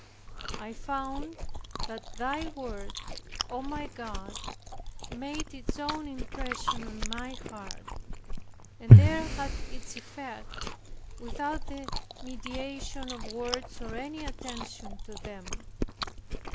I found that Thy Word, O my God, made its own impression on my heart, and there had its effect, without the mediation of words or any attention to them.